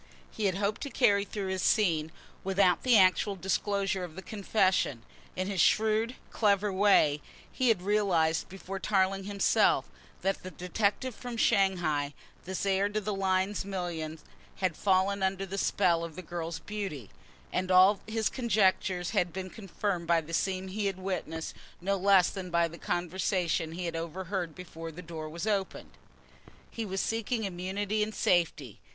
He had hoped to carry through this scene without the actual disclosure of the confession. In his shrewd, clever way he had realised before Tarling himself, that the detective from Shanghai, this heir to the Lyne millions, had fallen under the spell of the girl's beauty, and all his conjectures had been confirmed by the scene he had witnessed, no less than by the conversation he had overheard before the door was opened. He was seeking immunity and safety.